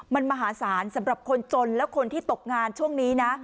มันมหาศาลสำหรับคนจนและคนที่ตกงานช่วงนี้นะ